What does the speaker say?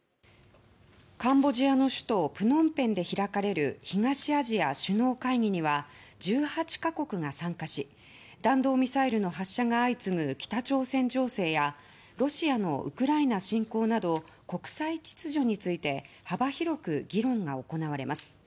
カンボジアの首都プノンペンで開かれる東アジア首脳会議には１８か国が参加し弾道ミサイルの発射が相次ぐ北朝鮮情勢やロシアのウクライナ侵攻など国際秩序について幅広く議論が行われます。